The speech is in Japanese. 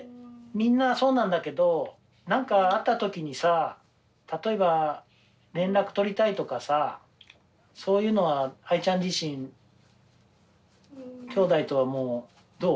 みんなそうなんだけど何かあった時にさ例えば連絡取りたいとかさそういうのはアイちゃん自身きょうだいとはもうどう？